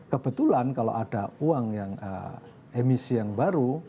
kebetulan kalau ada uang yang emisi yang baru